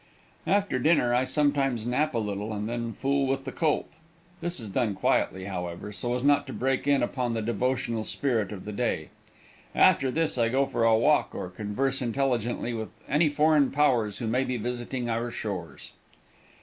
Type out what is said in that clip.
After dinner I sometimes nap a little and then fool with the colt. This is done quietly, however, so as not to break in upon the devotional spirit of the day. After this I go for a walk or converse intelligently with any foreign powers who may be visiting our shores.